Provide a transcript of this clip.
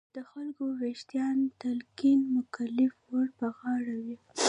د خلکو ویښتیا تلقین مکلفیت ور په غاړه وي.